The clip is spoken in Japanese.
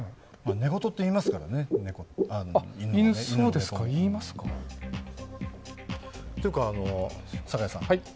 寝言って言いますからね、犬はね。というかあの、堺さん。